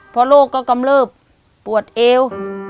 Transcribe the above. พอโรคก็กำลือบปวดเอว